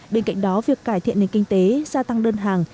bên cạnh đó việc cải thiện nền kinh tế gia tăng đơn hàng